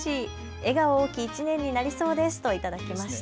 笑顔多き１年になりそうですと頂きました。